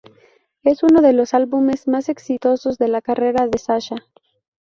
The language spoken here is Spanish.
Es uno de los álbumes más exitosos de la carrera de Sasha.